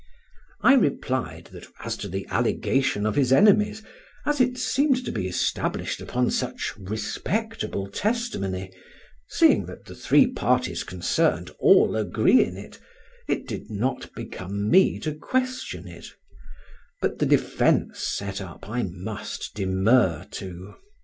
I replied that, as to the allegation of his enemies, as it seemed to be established upon such respectable testimony, seeing that the three parties concerned all agree in it, it did not become me to question it; but the defence set up I must demur to.